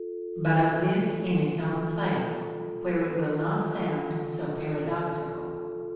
But of this in its own place, where it will not sound so paradoxical.